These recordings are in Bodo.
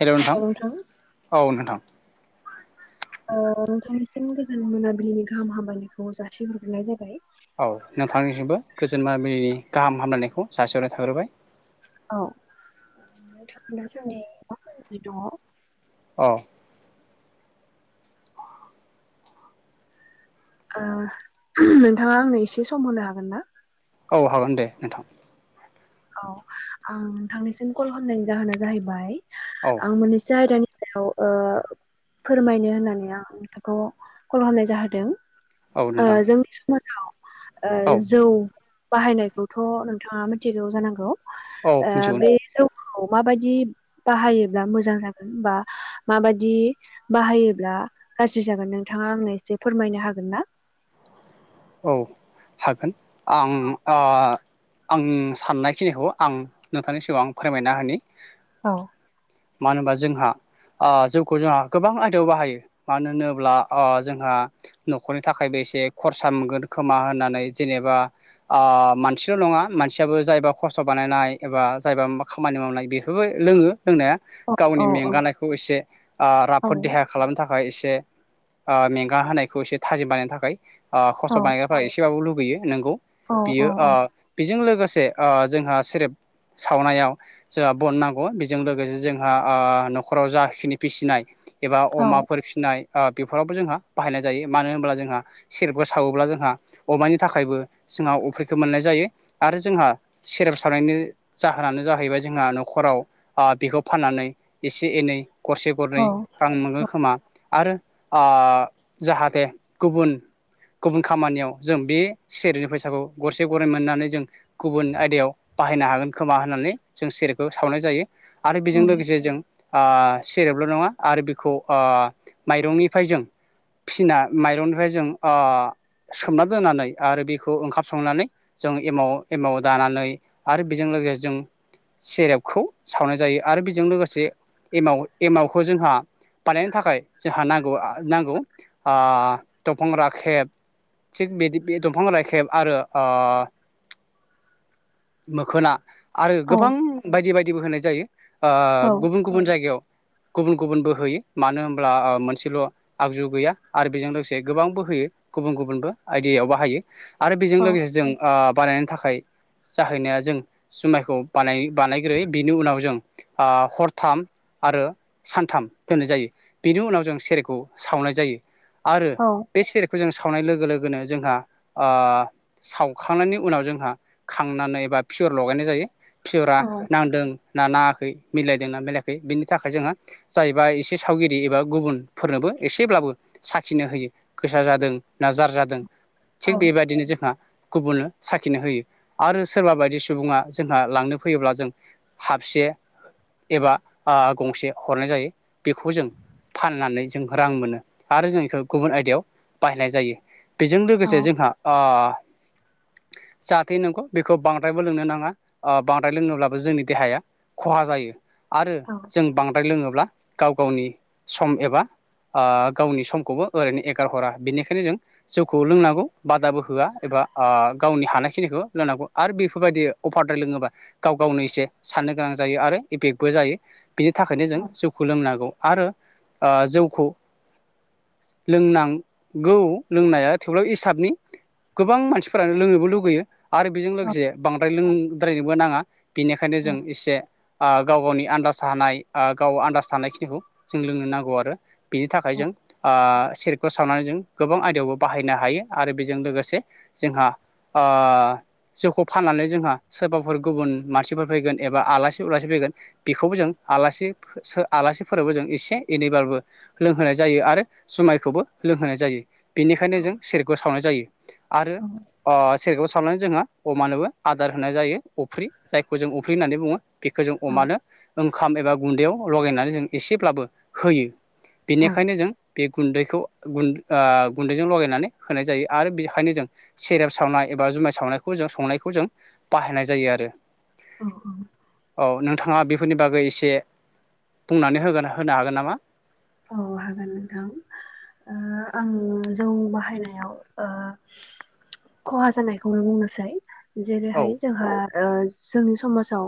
हेलौ नोंथां औ नोंथां। ओ नोंथांनिसिम गोजान मोनाबिलिनि गाहाम हामलायनायखौ जासिहरग्रोनाय जाबाय। औ नोंथांनिसिमबो गोजोनलिनि गाहाम हामलायनायखौ जासिहरनाय थाग्रोबाय। औ नोंथां दासानदि माबोरै दङ? औ। ओ ओहोम नोंथाङा आंनो एसे सम होनो हागोन ना? औ हागोन दे नोंथां। औव आं नोंथांनिसिम कल खालामनायनि जाहोना जाहैबाय औ आं मोननैसो आयदानि सायाव ओ फोरमायनो होननानै आं नोंथांखौ कल खालामनाय जाहोदों। औ ओ नोंथां जोंनि समाज ओ औ जौ बाहायनायखौथ' नोंथाङा मिथिगौ जानांगौ। औ ओ मिथिगौ बे नोंथां जौखौ माबायदि बाहायोब्ला मोजां जागोन बा माबादि बाहायोब्ला गाज्रि जागोन नोंथाङा आंनो एसे फोरमायनो हागोन ना? [inaudible] औ हागोन आं औ ओ आं साननायखिनिखौ आं नोंथांनि सिगाङां आं फोरमायना होनि। औ। मानो होनबा जोंहा ओ जोंखौ जोंहा गोबां आयदायाव बाहायो मानो होनोब्ला ओ जोंहा न'खरनि थाखाय बे एसे खरसा मोनगोन खोमा होननानै जेनेबा ओ मानसिल' नङा मानसियाबो जायबा खस्थ' बानायनाय एबा जायबा खामानि मावनाय बेफोरबो लोङो। लोंनाया औ गावनि औ मेंगानायखौ एसे ओ औ राफोद देहा खालामनो थाखाय एसे से ओ मेंगा होनायखौ एसे थाजिम बानायनो थाखाय ओ औ खस्थ' बानायग्रा एसेबाबो लुबै बैयो नोंगौ औ औ बियो औ बेजों लोगोसे ओ जोंहा सेरेब सावनायाव जोंहा बन नांगौ बेजों लोगोसे जोंहा ओ न'खराव जाखिनि फिसिनाय एबा औ अमाफोर फिसिनाय ओ बेफोरावबो जोंहा बाहायनाय जायो मानो होन्ला जोंहा सेरबो सावोब्ला जोंहा अमानि थाखायबो जोंहा अफ्रिखौ मोननाय जायो आरो जोंहा सेर सदसारनायनि जाहोनानो जाहैबाय जोंहा न'खराव बेखौ फाननानै एसे एनै गरसे गरनै आं मोनो खोमा आरो ओ जाहाथे गुबुन गुबुन खामानियाव जों बे सेरनि फैसाखौ गरसे गरनै मोननानै जों गुबुन आयदायाव बाहायनो हागोन खोमा होननानै जों सेरेबखौ सावनाय जायो आरो बेजों लोगोसे जों ओ सेरेबल' नङा आरो बिखौ ओ माइरंनिफ्राय जों फिसिना माइरंनिफ्राय जों ओ सोमना दोनानै आरो बेखौ ओंखाम संनानै जों एमाव एमाव दानानै आरो बेजों बेजों सेरेबखौ सावनाय जायो आरो बेजों लोगोसे एमाव एमावखौ जोंहा बानायनो थाखाय जोंहा नांगौ नांगौ ओ दं फां राखेब थिग बेदि बे दंफां राखेब आरो ओ मोखोना आरो औ गोबां बायदि बायदिबो होनाय जायो ओ गुबुन गुबुन जायगायाव गुबुन गुबुनबो होयो मानो होमब्ला मोनसेल' आगजु गैया आरो बेजों लोगोसे गोबां बोहोयो गुबुन गुबुनबो आइडियायाव बाहायो आरो बेजों लोगोसे जों बानायनो थाखाय जाहैनाया जों जुमायखौ बानाय बानायग्रोयो बिनि उनाव जों आ हरथाम आरो सानथाम दोननाय जायो बेनि उनाव जों सेरेखौ सावनाय जायो आ औ खौ जों सावनाय लोगो लोगोनो जोंहा ओ सावखांनायनि उनाव जोंहा खांनानै बा पियर लगायनाय जायो पियरा नांदों ना नाङा खै मिलायदोंना मिलायाखै बिनि थाखाय जोंङो जायैबाय एसे सावगिरि एबा गुबुनफोरनोबो एसेब्लाब बो साखिनो होयो गोसा जादों ना जार जादों थिग बेबादिनो जोंहा गुबुननो साखिनो होयो आरो सोरबा बायदि सुबुङा जोंहा लांनो फैयोब्ला जों हाबसे ए-एबा ओ गंसे हरनाय जायो बेखौ जों फाननानै जों रां मोनो आरो जों इखो गुबुन आयदायाव बाहायनाय जायो बेजों लोगोसे जोंहा ओ [inaudible] जाहाथे नंगौ बेखौ बांद्रायबो लोंनो नाङा ओ बांद्राय लोंङोब्लाबो जोंनि देहाया खहा जायो। आरो जों बांद्राय लोङो ब्ला गाव गावनि सम एबा ओ गावनि समखौबो ओरैनो एगार हरा बेनिखायनो जों जौखौ लोंनांगौ बादाबो होआ एबा ओ गावनि हानायखिनिखो खो लोंनांगौ आरो बेफोरबायदियै अफारदार लोङोबा गाव गावनो इसे साननो गोनां जायो आरो इफेकबो जायो। बिनि थाखायनो जों जौखौ लोंनागौ आरो ओ जौखौ लोंनां गौ लोंनाया थेवब्लाबो हिसाबनि गोबां मानसिफोरानो लोंनोबो लुगैयो आरो बेजों लोगोसे बांद्राय लों द्रायनोबो नाङा बिनिखायनो जों इसे ओ गाव गावनि आन्दाज थानाय ओ गाव आन्दाज थानायखिनिखौ जों लोंनो नांगौ आरो बेनि थाखाय जों ओ सेरेबखौ सावनानै जों गोबां आयदायावबो बाहायनो हायो आरो बेजों लोगोसे जोंहा ओ जौखौ फाननानै जोंहा सोबाफोर गुबुन मारसिफोर फैगोन एबा आलासि उलासि फैगोन बेखौबो जों आलासि फो सो आलासिफोरबो जों एसे एनैबाबबो लोंहोनाय जायो आरो जुमाय खौबो लोंहोनाय जायो बेनिखायनो जों सेरेबखौ सावनाय जायो आरो अ सेरेबखौ खालामनानै जोंहा अमानोबो आदार होनाय जायो अफ्रि जायखौ जों अफ्रि होननानै बुङो। बेखो जों अमानो ओंखाम एबा गुन्दैयाव लगायनानै जों एसेब्लाबो होयो। बेनिखायनो जों बे गुन्दैखौ गुन ओ गुन्दैजों लगायनानै होनाय जायो आरो बेहायनो जों सेरेब सावनाय एबा ज जुमाय सावनायखौ जों संनायखौ जों बाहायनाय जायो आरो। औ औ नोंथाङा बेफोरनि बागै एसे बुंनानै होगोन होनो हागोन नामा? औ हागोन नोंथां। ओ आं जौ बाहायनायाव ओ खहा जानायखौ बुंनोसै। औ जेरैहाय जोंहा ओ जोंनि समाजाव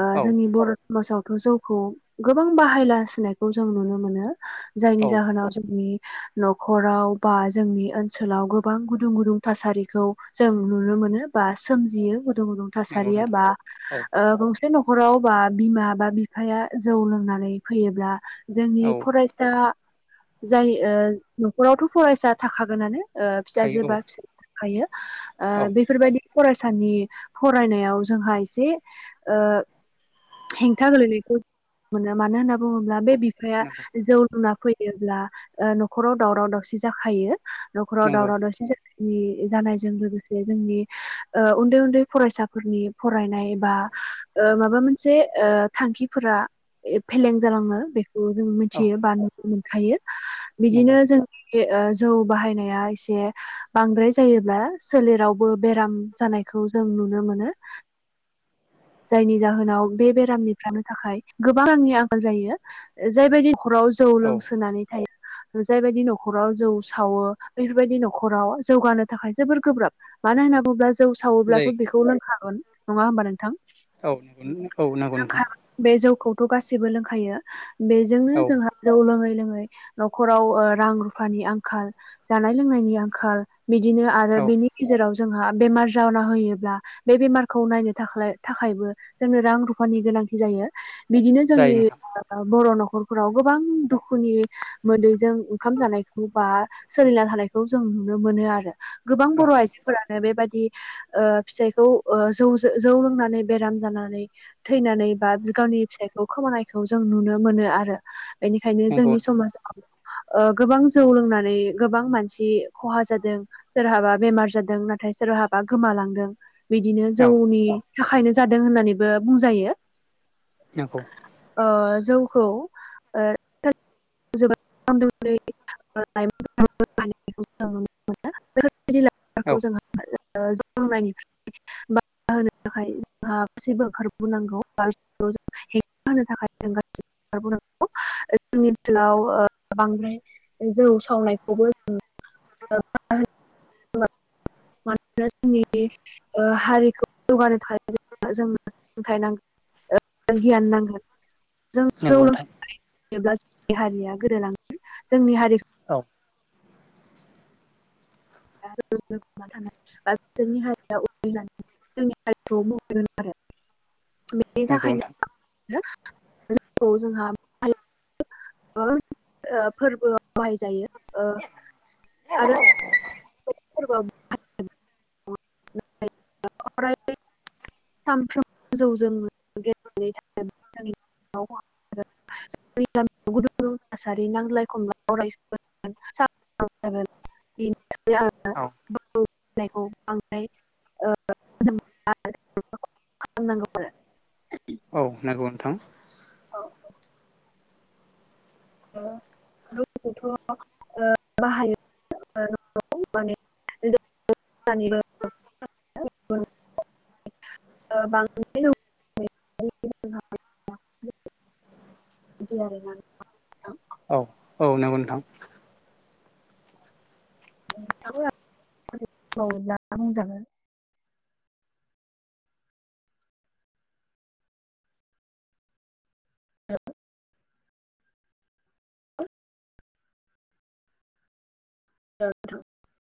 ओ औ जोंनि बर' समाजाव। जौखौ गोबां बाहायलासिनायखौ जों नुनो मोनो जायनि औ जाहोनाव जोंनि। न'खराव बा जोंनि ओनसोलाव गोबां गुदुं गुदुं थासारिखौ जों नुनो मोनो। नुनो मोनो बा सोमजियो गुदुं गुदुं नंगौ थासारिया नोंथां बा औ ओ बुंस बे न'खराव बा बिमा बा बिफाया जौ लोंनानै फैयोब्ला जोंनि। औ दा जाय ओ न'खरावथ' फरायसा थाखागोनानो। ओ थायो औ फिसाजोबा फिसाज्ला थायो ओ औ बेफोरबायदि फरायसानि फरायनायाव जोंहा एसे ओ हेंथा गोलैनायखौ मोनो मानो होनना बुङोब्ला बे औ बिफाया नंगौ जौ लोंना फैयोब्ला ओ न'खराव दावराव दावसि जाखायो। न'खराव नंगौ दावराव दावसि। नि जानायजों लोगोसे जोंनि ओ उन्दै उन्दै फरायसाफोरनि फरायनाय बा ओ माबा मोनसे ओ थांखिफोरा फेलें जालाङो बेखौ जों औ मिथियो बा नुनो मोनखायो बिदिनो नंगौ जोंनि जौ बाहायनाया एसे बांद्राय जायोब्ला सोलेरावबो बेराम जानायखौ जों नुनो मोनो। जायनि जाहोनाव बे बेरामनिफ्रानो थाखाय गोबां रांनि आंखाल जायो जायबायदि। न'खराव जौ औ लोंसोनानै थायो। जायबायदि न'खराव जौ सावो बेफोरबायदि न'खराव जौगानो थाखाय जोबोर गोब्राब। मानो होनना बुङोब्ला जौ जायो सावोब्लाथ' बेखौ लोंखागोन, नङा होमबा नोंथां? औ ओ नोंगौ नोंथां। खौथ' गासिबो लोंखायो बेजोंनो औ जोंहा जौ लोङै लोङै न'खराव रां रुफानि आंखाल जानाय लोंनायनि आंखाल बिदिनो आरो औ बिनि गेजेराव जोंहा बेमार जाना होयोब्ला बे बेमारखौ नायनो थाखाय थाखायबो जोंनो रां रुफानि गोनांथि जायो बिदिनो जायो जोंनि नोंथां बर' न'खर। न'खरफोराव गोबां दुखुनि मोदैजों ओंखाम जानायखौ बा सोलिना थानायखौ जों। नुनो मोनो आरो। गोबां औ बर' आइजोफोरानो बेबादि ओ फिसाइखौ जौ जौ लोंनानै। बेराम जानानै थैनानै बा गावनि फिसाइखौ खोमानायखौ जों नुनो मोनो आरो। बेनिखायनो नंगौ जोंनि नोंथां समाजाव। ओ गोबां जौ लोंनानै गोबां मानसि खहा जादों सोरहाबा बेमार जादों नाथाय। सोरहाबा गोमालांदों। बिदिनो औ जौनि थाखायनो जादों होननानैबो बुंजायो। नंगौ ओ जौखौ ओ जौगा लाइमोन। [unintelligible] होननानैबो जों नुनो मोनो। [unintelligible] थाखाय औ जोंहा गासैबो ओंखारबोनांगौ हेंथा होनो थाखाय जों गासैबो। नंगौ जोंनि ओनसोलाव बांद्राय जौ सावनायखौबो जों [unintelligible] जौगानो थानाय जोंनो सोलोंथाइ नांगोन गियान नांगौ जों जौ नंगौ नोंथां लोंसोनानै थायोब्ला जोंनि हारिया गोदोलांगोन जोंनि हारि औ थानाय बा बिसोरनि हारिया उन जानानै जोंनि हारिखौ मोहेर गोन आरो। [inaudible] नंगौ थाखायनो नोंथां जोंहा [unintelligible] फोरबो [unintelligible] बाहायजायो ओ [unintelligible] आरो [unintelligible] [inaudible] सानफ्रोम गो जौ जों गेलेनो [unintelligible] थाखाय ज [unintelligible] [unintelligible] गुदुं थासारि नांज्लाय खमलायराय [unintelligible] बिनि औ [unintelligible] बांनायखौ [unintelligible] ओ [unintelligible] [unintelligible] फाहामनांगौ आरो औ नंगौ नोंथां। ओ जौखौथ' ओ बाहायो [unintelligible] [unintelligible] ओ बांद्राय [unintelligible] बिदि आरो ना नोंथां। औ औ नंगौ नोंथां। [unintelligible] बुंजागोन। औ। [unintelligible]